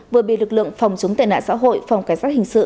vừa bị lực lượng phòng chống tệ nạn xã hội phòng cảnh sát hình sự